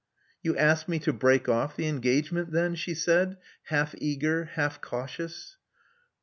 "You ask me to break ofiE the engagement, then," she said, half eager, half cautious.